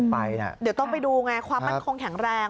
เดี๋ยวต้องไปดูไงความมั่นคงแข็งแรง